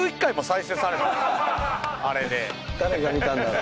誰が見たんだろう？